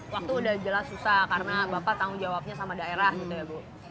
waktu udah jelas susah karena bapak tanggung jawabnya sama daerah gitu ya bu